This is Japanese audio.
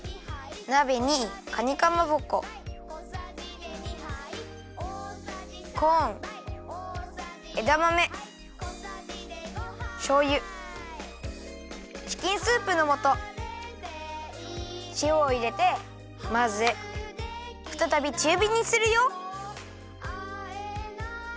なべにかにかまぼこコーンえだまめしょうゆチキンスープのもとしおをいれてまぜふたたびちゅうびにするよ。